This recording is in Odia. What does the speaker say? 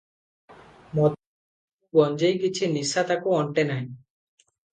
ମଦ, ଆପୁ, ଗଞ୍ଜେଇ କିଛି ନିଶା ତାକୁ ଅଣ୍ଟେ ନାହିଁ ।